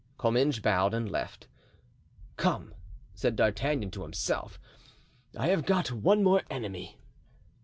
Comminges bowed and left. "Come," said D'Artagnan to himself, "I have got one more enemy."